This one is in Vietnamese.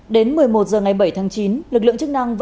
đến một mươi một giờ ngày bảy tháng chín